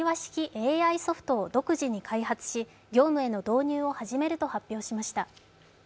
ＡＩソフトを独自に開発し、業務への導入を始めると発表しました。